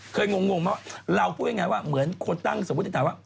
เคยงงมาว่าเราพูดอย่างไรว่าเหมือนคนตั้งสมมุติจะถามว่า